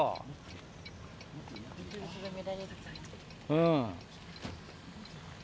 うん。